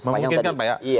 memungkinkan pak ya